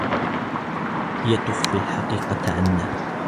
هي تخفي الحقيقة عنا.